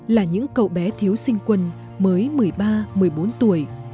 là những cậu bé thiếu sinh quân mới một mươi ba một mươi bốn tuổi